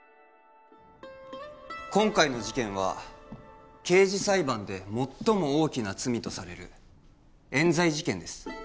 今回の事件は刑事裁判で最も大きな罪とされる冤罪事件です